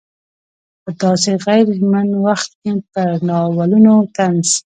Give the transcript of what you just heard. په داسې غیر ژمن وخت کې پر ناولونو طنز.